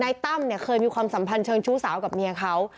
ตั้มเนี่ยเคยมีความสัมพันธ์เชิงชู้สาวกับเมียเขา